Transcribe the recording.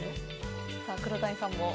黒谷さんも。